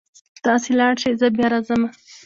تاسې لاړ شئ زه بیا راځمه